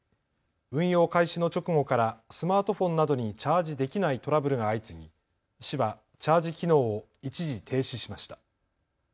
運用開始の直後からスマートフォンなどにチャージできないトラブルが相次ぎ、市はチャージ機能を一時、停止しました。